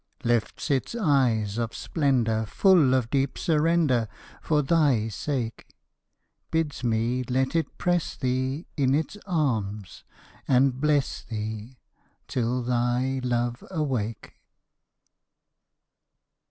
Lifts its eyes of splendour Full of deep surrender For thy sake. Bids me let it press thee In its arms, and bless thee Till thy love awake.